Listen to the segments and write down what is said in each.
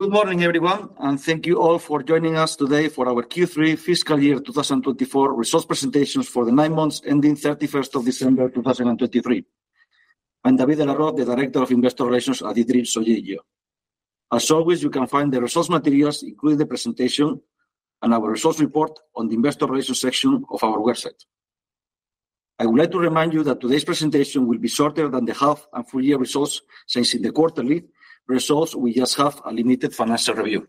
Good morning, everyone, and thank you all for joining us today for our Q3 fiscal year 2024 results presentations for the nine months ending 31st of December 2023. I'm David de la Roz, the Director of Investor Relations at eDreams ODIGEO. As always, you can find the results materials, including the presentation and our results report, on the Investor Relations section of our website. I would like to remind you that today's presentation will be shorter than the half and full year results, since in the quarterly results, we just have a limited financial review.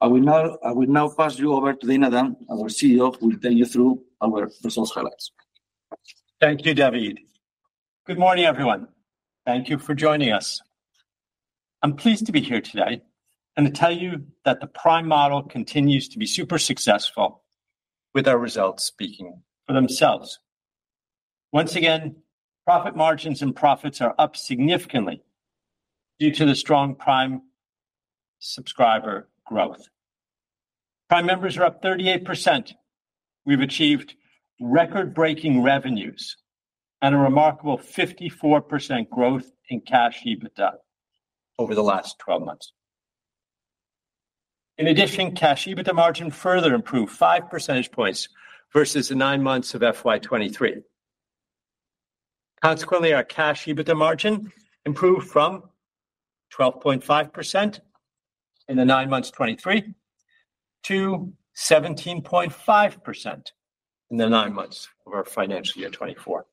I will now pass you over to Dana Dunne, our CEO, who will take you through our results highlights. Thank you, David. Good morning, everyone. Thank you for joining us. I'm pleased to be here today and to tell you that the Prime model continues to be super successful with our results speaking for themselves. Once again, profit margins and profits are up significantly due to the strong Prime subscriber growth. Prime members are up 38%. We've achieved record-breaking revenues and a remarkable 54% growth in cash EBITDA over the last 12 months. In addition, cash EBITDA margin further improved five percentage points versus the nine months of FY 2023. Consequently, our cash EBITDA margin improved from 12.5% in the nine months 2023 to 17.5% in the nine months of our financial year 2024.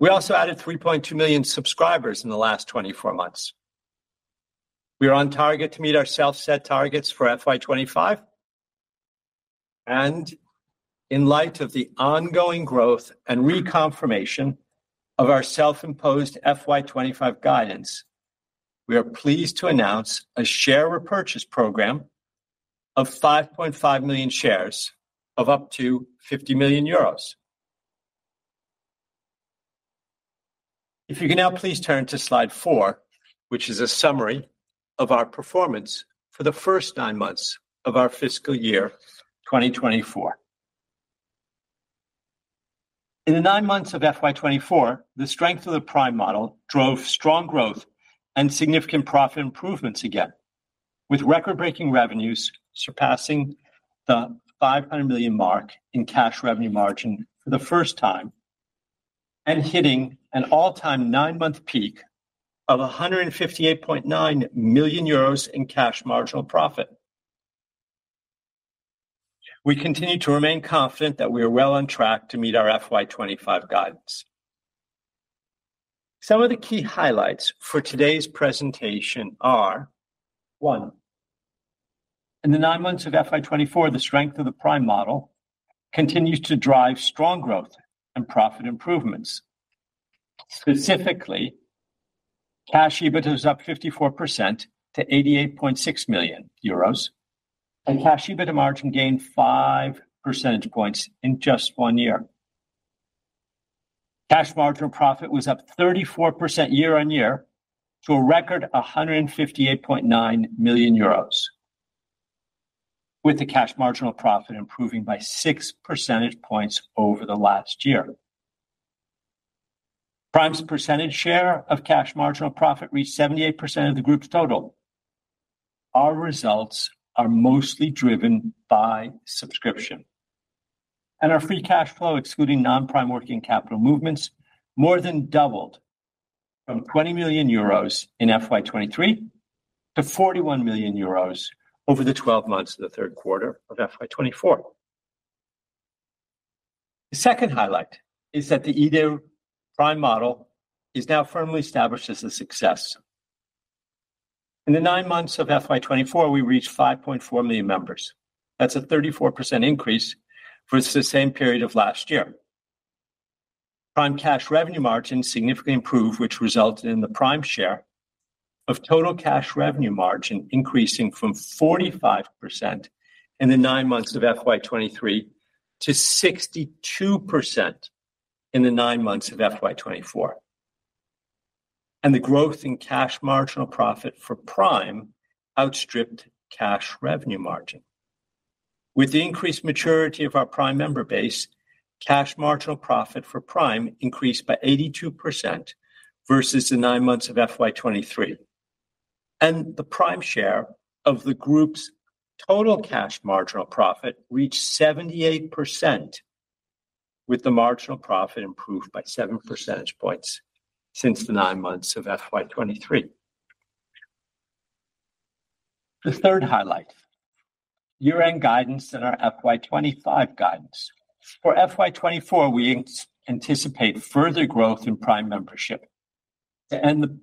We also added 3.2 million subscribers in the last 24 months. We are on target to meet our self-set targets for FY 2025, and in light of the ongoing growth and reconfirmation of our self-imposed FY 2025 guidance, we are pleased to announce a share repurchase program of 5.5 million shares of up to 50 million euros. If you can now please turn to Slide 4, which is a summary of our performance for the first nine months of our fiscal year 2024. In the nine months of FY 2024, the strength of the Prime model drove strong growth and significant profit improvements again, with record-breaking revenues surpassing the 500 million mark in Cash Revenue Margin for the first time and hitting an all-time 9-month peak of 158.9 million euros in Cash Marginal Profit. We continue to remain confident that we are well on track to meet our FY 2025 guidance. Some of the key highlights for today's presentation are: 1, in the nine months of FY 2024, the strength of the Prime model continues to drive strong growth and profit improvements. Specifically, Cash EBITDA is up 54% to 88.6 million euros, and Cash EBITDA margin gained 5 percentage points in just 1 year. Cash Marginal Profit was up 34% year-on-year to a record 158.9 million euros, with the Cash Marginal Profit improving by 6 percentage points over the last year. Prime's percentage share of Cash Marginal Profit reached 78% of the group's total. Our results are mostly driven by subscription, and our free cash flow, excluding non-Prime working capital movements, more than doubled from 20 million euros in FY 2023 to 41 million euros over the 12 months of the third quarter of FY 2024. The second highlight is that the eDreams Prime model is now firmly established as a success. In the nine months of FY 2024, we reached 5.4 million members. That's a 34% increase versus the same period of last year. Prime cash revenue margin significantly improved, which resulted in the Prime share of total cash revenue margin increasing from 45% in the nine months of FY 2023 to 62% in the nine months of FY 2024. And the growth in cash marginal profit for Prime outstripped cash revenue margin. With the increased maturity of our Prime member base, cash marginal profit for Prime increased by 82% versus the nine months of FY 2023, and the Prime share of the group's total cash marginal profit reached 78%, with the marginal profit improved by 7 percentage points since the nine months of FY 2023. The third highlight, year-end guidance and our FY 2025 guidance. For FY 2024, we anticipate further growth in Prime membership to end the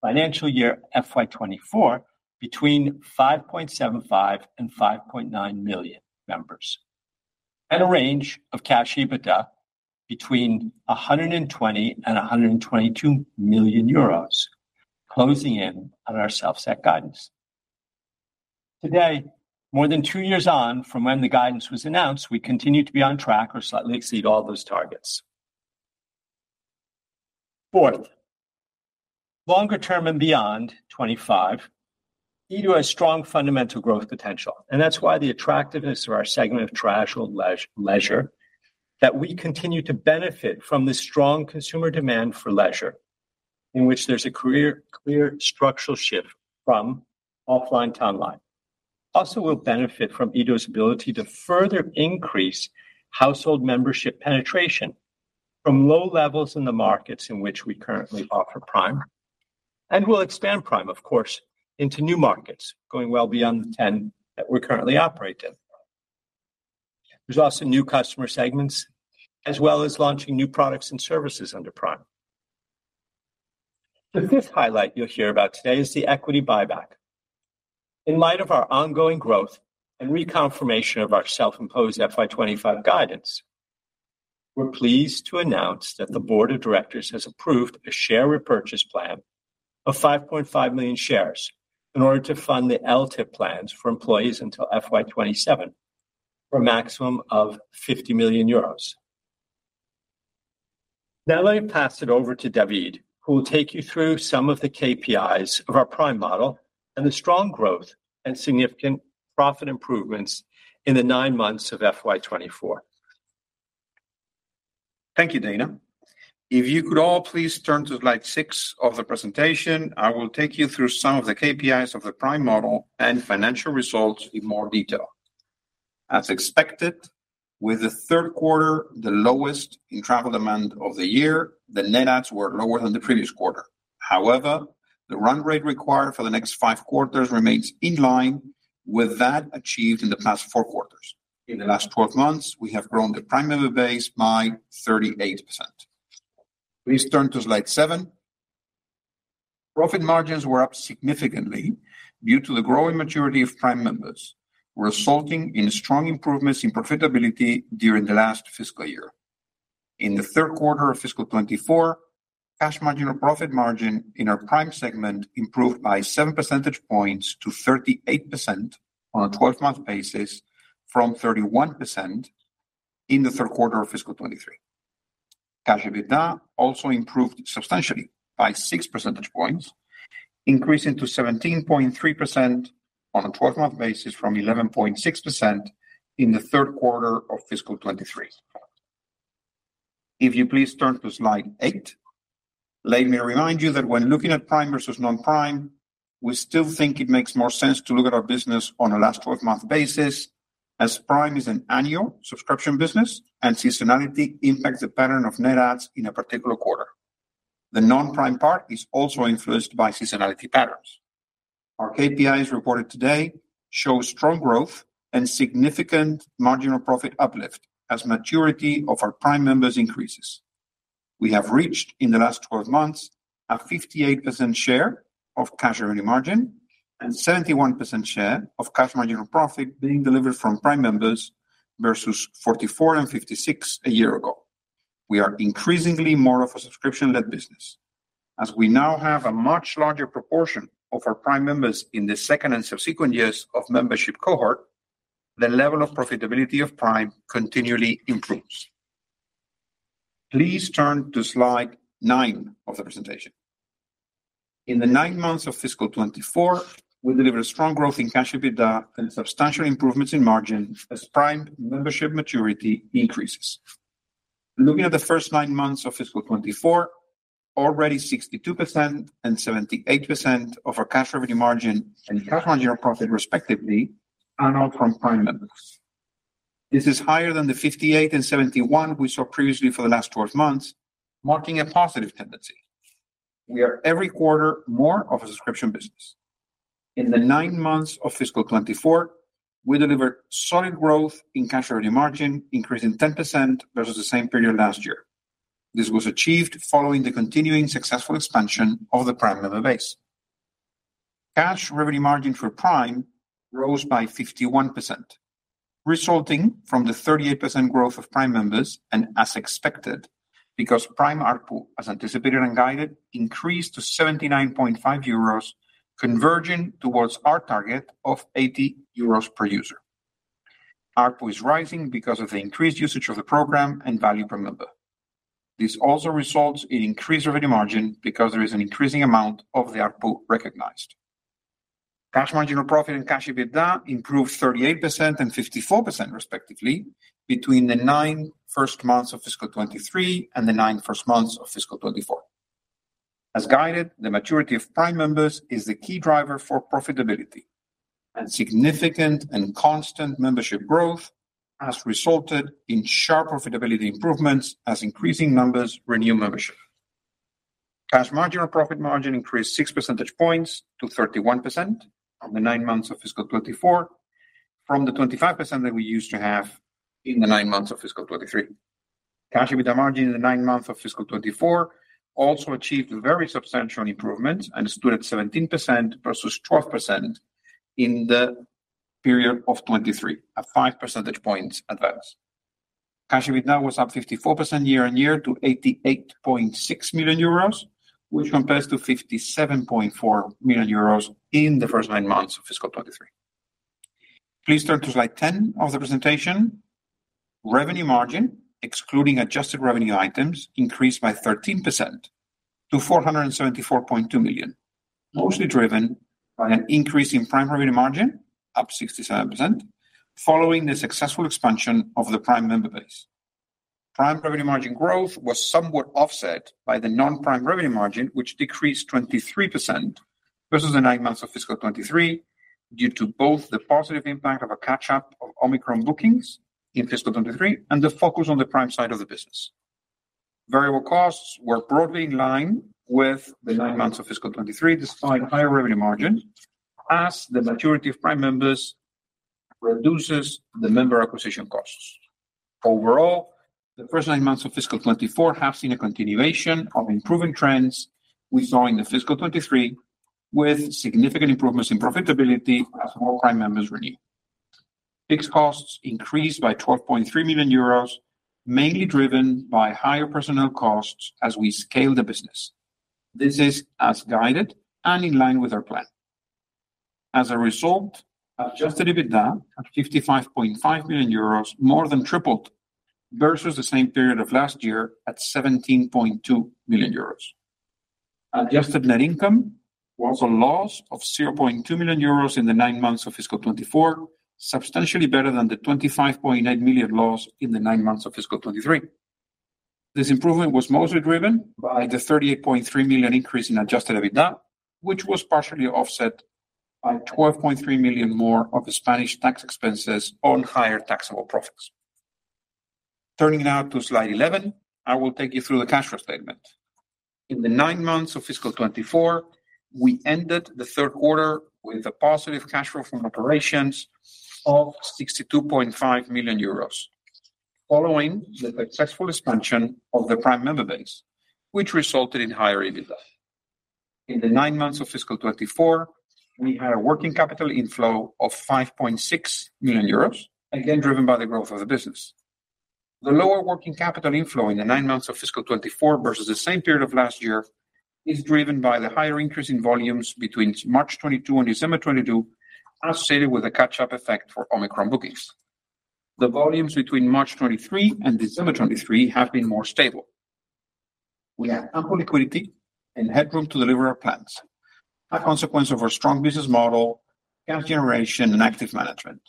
financial year, FY 2024, between 5.75 and 5.9 million members, at a range of cash EBITDA between 120 million and 122 million euros, closing in on our self-set guidance. Today, more than two years on from when the guidance was announced, we continue to be on track or slightly exceed all those targets. Fourth, longer term and beyond 2025, eDreams has strong fundamental growth potential, and that's why the attractiveness of our segment of traditional leisure that we continue to benefit from the strong consumer demand for leisure, in which there's a clear structural shift from offline to online. Also, we'll benefit from ODIGEO's ability to further increase household membership penetration from low levels in the markets in which we currently offer Prime, and we'll expand Prime, of course, into new markets, going well beyond the 10 that we currently operate in. There's also new customer segments, as well as launching new products and services under Prime. The fifth highlight you'll hear about today is the equity buyback. In light of our ongoing growth and reconfirmation of our self-imposed FY 2025 guidance, we're pleased to announce that the board of directors has approved a share repurchase plan of 5.5 million shares in order to fund the LTIP plans for employees until FY 2027, for a maximum of 50 million euros. Now, let me pass it over to David, who will take you through some of the KPIs of our Prime model and the strong growth and significant profit improvements in the nine months of FY 2024. Thank you, Dana. If you could all please turn to Slide 6 of the presentation, I will take you through some of the KPIs of the Prime model and financial results in more detail. As expected, with the third quarter, the lowest in travel demand of the year, the net adds were lower than the previous quarter. However, the run rate required for the next 5 quarters remains in line with that achieved in the past 4 quarters. In the last 12 months, we have grown the Prime member base by 38%. Please turn to Slide 7. Profit margins were up significantly due to the growing maturity of Prime members, resulting in strong improvements in profitability during the last fiscal year. In the third quarter of fiscal 2024, Cash Margin or Profit Margin in our Prime segment improved by 7 percentage points to 38% on a 12-month basis, from 31% in the third quarter of fiscal 2023. Cash EBITDA also improved substantially by 6 percentage points, increasing to 17.3% on a 12-month basis, from 11.6% in the third quarter of fiscal 2023. If you please turn to Slide 8, let me remind you that when looking at Prime versus non-Prime, we still think it makes more sense to look at our business on a last 12-month basis, as Prime is an annual subscription business and seasonality impacts the pattern of net adds in a particular quarter. The non-Prime part is also influenced by seasonality patterns. Our KPIs reported today show strong growth and significant marginal profit uplift as maturity of our Prime members increases. We have reached, in the last 12 months, a 58% share of cash revenue margin and 71% share of cash marginal profit being delivered from Prime members, versus 44 and 56 a year ago. We are increasingly more of a subscription-led business. As we now have a much larger proportion of our Prime members in the second and subsequent years of membership cohort, the level of profitability of Prime continually improves. Please turn to Slide 9 of the presentation. In the nine months of fiscal 2024, we delivered strong growth in cash EBITDA and substantial improvements in margin as Prime membership maturity increases. Looking at the first nine months of fiscal 2024, already 62% and 78% of our cash revenue margin and cash marginal profit, respectively, are now from Prime members. This is higher than the 58 and 71 we saw previously for the last 12 months, marking a positive tendency. We are, every quarter, more of a subscription business. In the nine months of fiscal 2024, we delivered solid growth in cash revenue margin, increasing 10% versus the same period last year. This was achieved following the continuing successful expansion of the Prime member base. Cash revenue margin for Prime rose by 51%, resulting from the 38% growth of Prime members, and as expected, because Prime ARPU, as anticipated and guided, increased to 79.5 euros, converging towards our target of 80 euros per user. ARPU is rising because of the increased usage of the program and value per member. This also results in increased revenue margin, because there is an increasing amount of the ARPU recognized. Cash marginal profit and cash EBITDA improved 38% and 54%, respectively, between the first nine months of fiscal 2023 and the first nine months of fiscal 2024. As guided, the maturity of Prime members is the key driver for profitability, and significant and constant membership growth has resulted in sharp profitability improvements as increasing numbers renew membership. Cash marginal profit margin increased six percentage points to 31% on the first nine months of fiscal 2024, from the 25% that we used to have in the first nine months of fiscal 2023. Cash EBITDA margin in the nine months of fiscal 2024 also achieved a very substantial improvement and stood at 17% versus 12% in the period of 2023, a 5 percentage points advance. Cash EBITDA was up 54% year-on-year to 88.6 million euros, which compares to 57.4 million euros in the first nine months of fiscal 2023. Please turn to Slide 10 of the presentation. Revenue margin, excluding adjusted revenue items, increased by 13% to 474.2 million... mostly driven by an increase in Prime revenue margin, up 67%, following the successful expansion of the Prime member base. Prime revenue margin growth was somewhat offset by the non-Prime revenue margin, which decreased 23% versus the nine months of fiscal 2023, due to both the positive impact of a catch-up of Omicron bookings in fiscal 2023, and the focus on the Prime side of the business. Variable costs were broadly in line with the nine months of fiscal 2023, despite higher revenue margin, as the maturity of Prime members reduces the member acquisition costs. Overall, the first nine months of fiscal 2024 have seen a continuation of improving trends we saw in the fiscal 2023, with significant improvements in profitability as more Prime members renew. Fixed costs increased by 12.3 million euros, mainly driven by higher personnel costs as we scale the business. This is as guided and in line with our plan. As a result, adjusted EBITDA, at 55.5 million euros, more than tripled versus the same period of last year at 17.2 million euros. Adjusted net income was a loss of 0.2 million euros in the nine months of fiscal 2024, substantially better than the 25.9 million loss in the nine months of fiscal 2023. This improvement was mostly driven by the 38.3 million increase in adjusted EBITDA, which was partially offset by 12.3 million more of the Spanish tax expenses on higher taxable profits. Turning now to Slide 11, I will take you through the cash flow statement. In the nine months of fiscal 2024, we ended the third quarter with a positive cash flow from operations of 62.5 million euros, following the successful expansion of the Prime member base, which resulted in higher EBITDA. In the nine months of fiscal 2024, we had a working capital inflow of 5.6 million euros, again, driven by the growth of the business. The lower working capital inflow in the nine months of fiscal 2024 versus the same period of last year, is driven by the higher increase in volumes between March 2022 and December 2022, associated with a catch-up effect for Omicron bookings. The volumes between March 2023 and December 2023 have been more stable. We have ample liquidity and headroom to deliver our plans, a consequence of our strong business model, cash generation, and active management.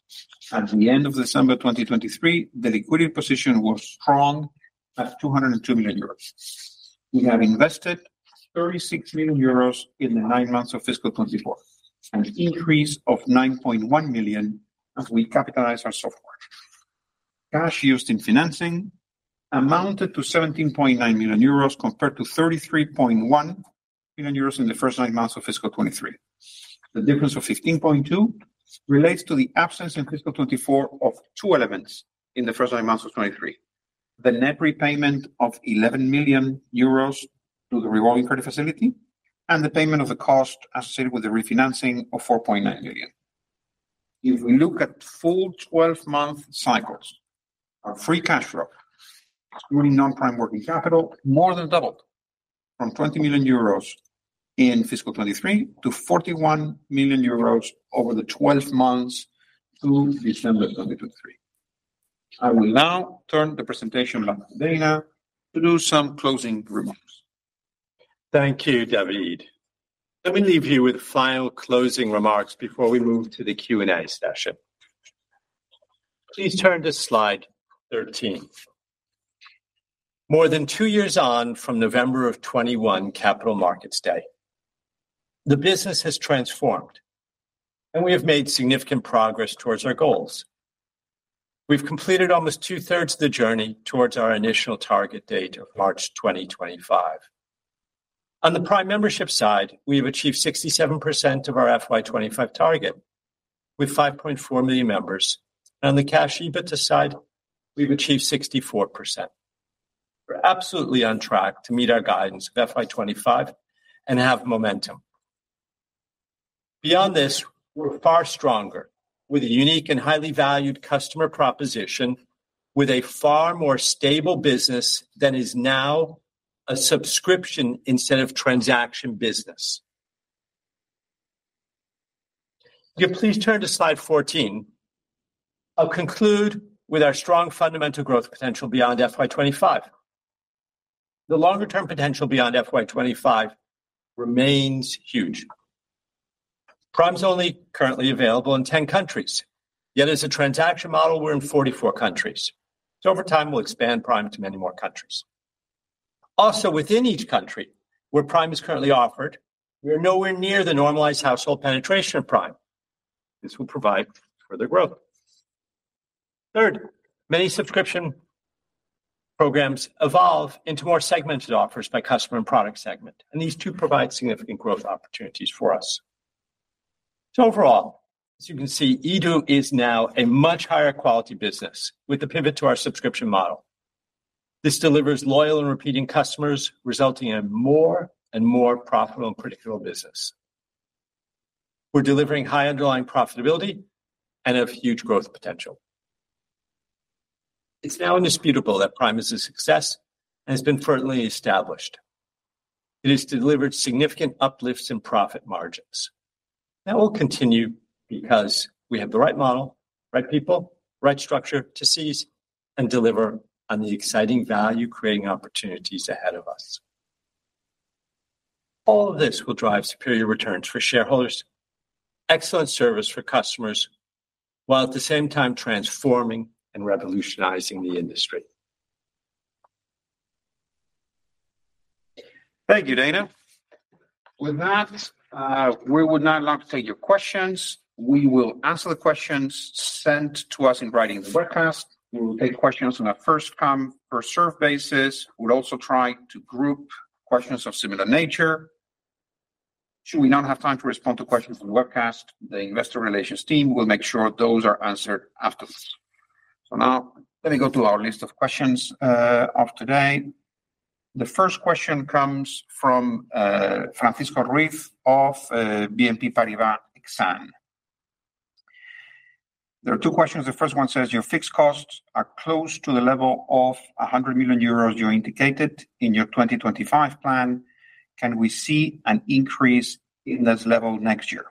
At the end of December 2023, the liquidity position was strong, at 202 million euros. We have invested 36 million euros in the nine months of fiscal 2024, an increase of 9.1 million as we capitalize our software. Cash used in financing amounted to 17.9 million euros, compared to 33.1 million euros in the first nine months of fiscal 2023. The difference of 15.2 relates to the absence in fiscal 2024 of two elements in the first nine months of 2023, the net repayment of 11 million euros to the revolving credit facility, and the payment of the cost associated with the refinancing of 4.9 million. If we look at full 12-month cycles, our free cash flow, excluding non-Prime working capital, more than doubled from 20 million euros in fiscal 2023 to 41 million euros over the 12 months to December 2023. I will now turn the presentation back to Dana to do some closing remarks. Thank you, David. Let me leave you with final closing remarks before we move to the Q&A session. Please turn to Slide 13. More than two years on from November of 2021, Capital Markets Day, the business has transformed, and we have made significant progress towards our goals. We've completed almost two-thirds of the journey towards our initial target date of March 2025. On the Prime Membership side, we have achieved 67% of our FY 2025 target, with 5.4 million members. On the cash EBITDA side, we've achieved 64%. We're absolutely on track to meet our guidance of FY 2025 and have momentum. Beyond this, we're far stronger, with a unique and highly valued customer proposition, with a far more stable business that is now a subscription instead of transaction business. If you please turn to Slide 14, I'll conclude with our strong fundamental growth potential beyond FY 2025. The longer-term potential beyond FY 2025 remains huge. Prime's only currently available in 10 countries, yet as a transaction model, we're in 44 countries. So over time, we'll expand Prime to many more countries. Also, within each country where Prime is currently offered, we are nowhere near the normalized household penetration of Prime. This will provide further growth. Third, many subscription programs evolve into more segmented offers by customer and product segment, and these two provide significant growth opportunities for us. So overall, as you can see, eDO is now a much higher quality business with a pivot to our subscription model. This delivers loyal and repeating customers, resulting in a more and more profitable and predictable business. We're delivering high underlying profitability and have huge growth potential. It's now indisputable that Prime is a success and has been firmly established. It has delivered significant uplifts in profit margins.... That will continue because we have the right model, right people, right structure to seize and deliver on the exciting value-creating opportunities ahead of us. All of this will drive superior returns for shareholders, excellent service for customers, while at the same time transforming and revolutionizing the industry. Thank you, Dana. With that, we would now like to take your questions. We will answer the questions sent to us in writing in the webcast. We will take questions on a first-come, first-served basis. We'll also try to group questions of similar nature. Should we not have time to respond to questions on the webcast, the investor relations team will make sure those are answered afterwards. So now, let me go to our list of questions of today. The first question comes from Francisco Riquel of BNP Paribas Exane. There are two questions. The first one says: Your fixed costs are close to the level of 100 million euros you indicated in your 2025 plan. Can we see an increase in this level next year?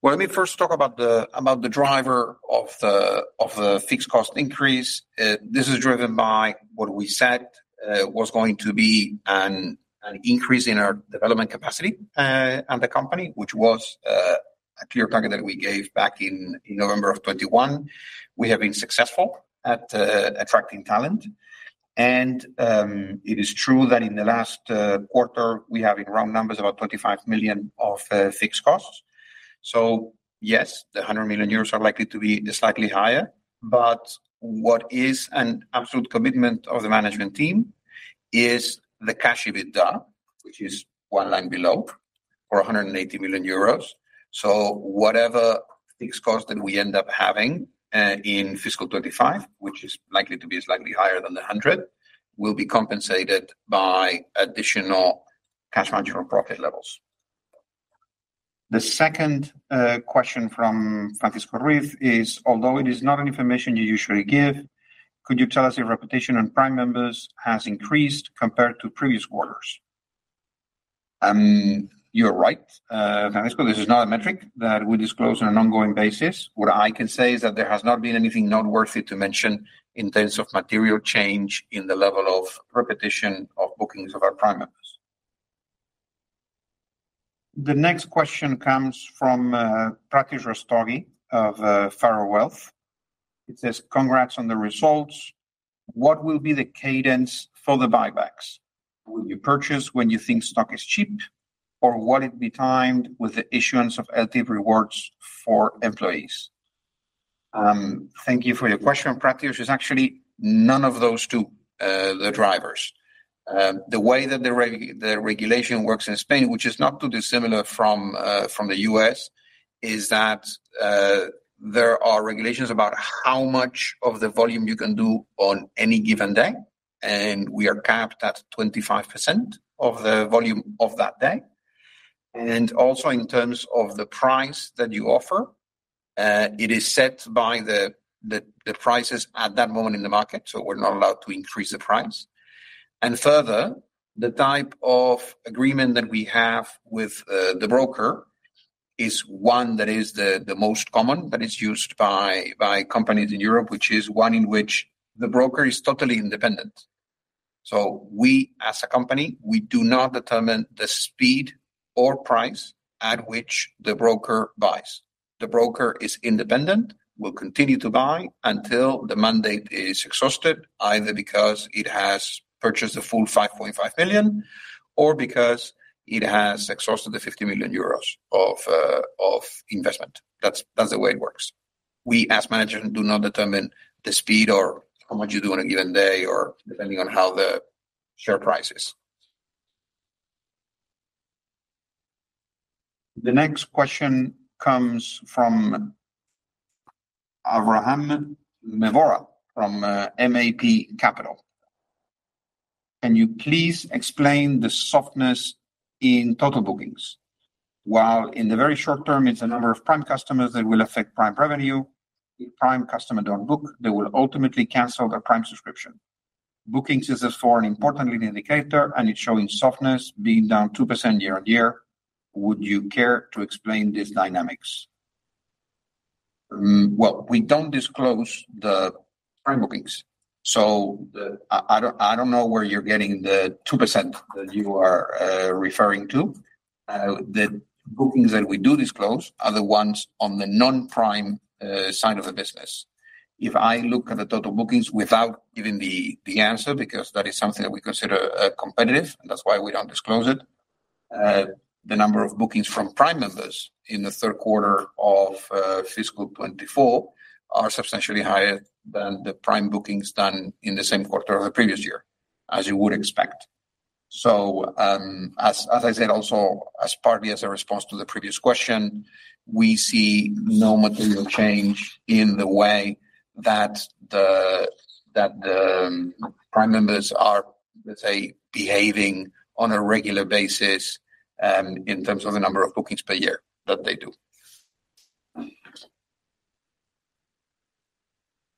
Well, let me first talk about the, about the driver of the, of the fixed cost increase. This is driven by what we said was going to be an increase in our development capacity on the company, which was a clear target that we gave back in November 2021. We have been successful at attracting talent, and it is true that in the last quarter, we have in round numbers about 25 million of fixed costs. So yes, the 100 million euros are likely to be slightly higher, but what is an absolute commitment of the management team is the Cash EBITDA, which is one line below, or 180 million euros. So whatever fixed cost that we end up having in fiscal 2025, which is likely to be slightly higher than the 100, will be compensated by additional Cash Marginal Profit levels. The second question from Francisco Riquel is, although it is not an information you usually give, could you tell us your retention on Prime members has increased compared to previous quarters? You're right, Francisco, this is not a metric that we disclose on an ongoing basis. What I can say is that there has not been anything not worth it to mention in terms of material change in the level of repetition of bookings of our Prime members. The next question comes from Pratik Rastogi of Paro Wealth. It says, "Congrats on the results. What will be the cadence for the buybacks? Will you purchase when you think stock is cheap, or will it be timed with the issuance of LT rewards for employees?" Thank you for your question, Pratik. It's actually none of those two drivers. The way that the regulation works in Spain, which is not too dissimilar from the U.S., is that there are regulations about how much of the volume you can do on any given day, and we are capped at 25% of the volume of that day. And also, in terms of the price that you offer, it is set by the prices at that moment in the market, so we're not allowed to increase the price. And further, the type of agreement that we have with the broker is one that is the most common, that is used by companies in Europe, which is one in which the broker is totally independent. So we, as a company, we do not determine the speed or price at which the broker buys. The broker is independent, will continue to buy until the mandate is exhausted, either because it has purchased the full 5.5 million, or because it has exhausted the 50 million euros of investment. That's the way it works. We, as management, do not determine the speed or how much you do on a given day or depending on how the share price is. The next question comes from Avraham Mevorah, from MAP Capital. "Can you please explain the softness in total bookings? While in the very short term, it's the number of Prime customers that will affect Prime revenue. If Prime customer don't book, they will ultimately cancel their Prime subscription. Bookings is a forward and importantly indicator, and it's showing softness being down 2% year-on-year. Would you care to explain these dynamics?" Well, we don't disclose the Prime bookings, so I don't know where you're getting the 2% that you are referring to. The bookings that we do disclose are the ones on the non-Prime side of the business. If I look at the total bookings without giving the answer, because that is something that we consider competitive, and that's why we don't disclose it, the number of bookings from Prime members in the third quarter of fiscal 2024 are substantially higher than the Prime bookings done in the same quarter of the previous year, as you would expect. So, as I said, also, as partly as a response to the previous question, we see no material change in the way that the Prime members are, let's say, behaving on a regular basis, in terms of the number of bookings per year that they do....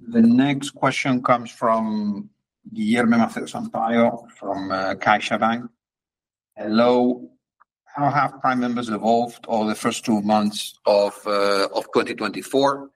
The next question comes from Guilherme Sampaio from CaixaBank. Hello. How have Prime members evolved over the first two months of 2024?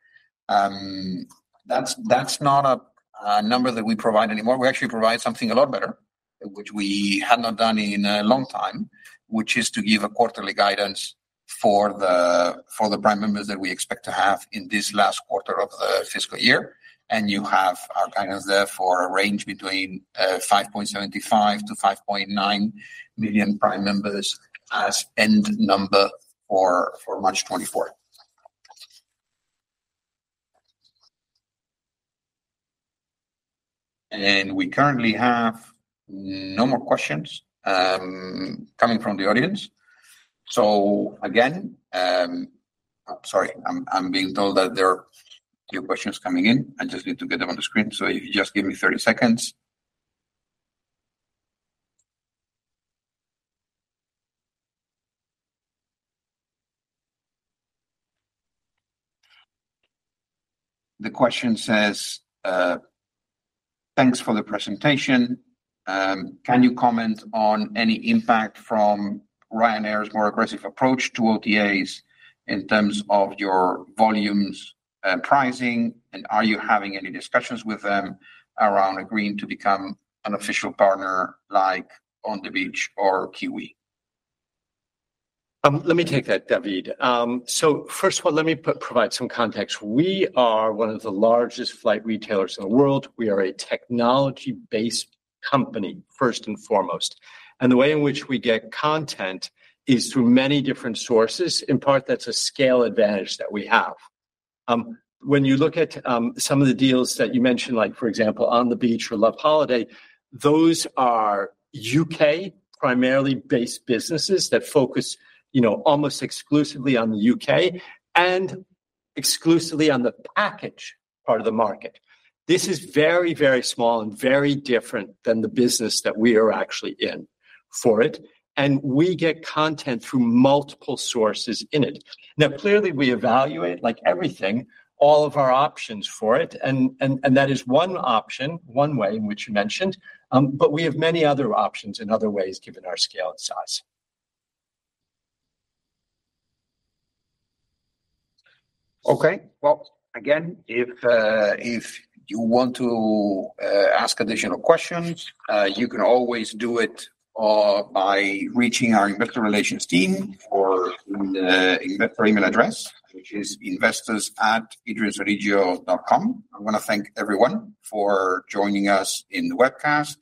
That's not a number that we provide anymore. We actually provide something a lot better, which we had not done in a long time, which is to give a quarterly guidance for the prime members that we expect to have in this last quarter of the fiscal year. And you have our guidance there for a range between 5.75 million-5.9 million Prime members as end number for March 2024. And we currently have no more questions coming from the audience. So again... Sorry, I'm being told that there are a few questions coming in. I just need to get them on the screen. So if you just give me 30 seconds. The question says, "Thanks for the presentation. Can you comment on any impact from Ryanair's more aggressive approach to OTAs in terms of your volumes and pricing? And are you having any discussions with them around agreeing to become an official partner like On the Beach or Kiwi? Let me take that, David. So first of all, let me provide some context. We are one of the largest flight retailers in the world. We are a technology-based company, first and foremost. And the way in which we get content is through many different sources. In part, that's a scale advantage that we have. When you look at some of the deals that you mentioned, like for example, On the Beach or Loveholidays, those are U.K. primarily based businesses that focus, you know, almost exclusively on the U.K. and exclusively on the package part of the market. This is very, very small and very different than the business that we are actually in for it, and we get content through multiple sources in it. Now, clearly, we evaluate, like everything, all of our options for it, and that is one option, one way in which you mentioned. But we have many other options in other ways, given our scale and size. Okay. Well, again, if you want to ask additional questions, you can always do it by reaching our investor relations team or the investor email address, which is investors@edreamsodigeo.com. I wanna thank everyone for joining us in the webcast.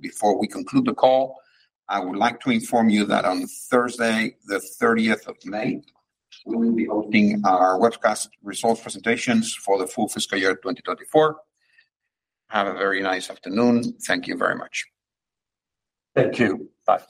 Before we conclude the call, I would like to inform you that on Thursday, the 30th of May, we will be holding our webcast result presentations for the full fiscal year 2024. Have a very nice afternoon. Thank you very much. Thank you. Bye.